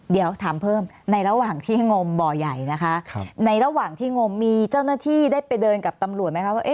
เดี๋ยวถามเพิ่มในระหว่างที่งมบ่อใหญ่นะคะในระหว่างที่งมมีเจ้าหน้าที่ได้ไปเดินกับตำรวจไหมคะว่า